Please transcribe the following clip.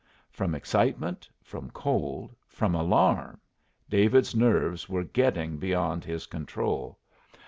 From excitement, from cold, from alarm, David's nerves were getting beyond his control.